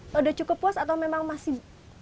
sudah cukup puas atau memang masih